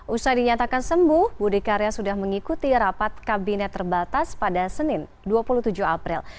usai dinyatakan sembuh budi karya sudah mengikuti rapat kabinet terbatas pada senin dua puluh tujuh april